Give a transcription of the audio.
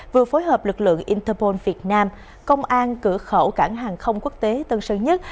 vừa phối hợp lực lượng interpol việt nam công an cửa khẩu cảng hàng không quốc tế tân sơn nhất